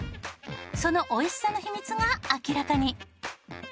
その美味しさの秘密が明らかに！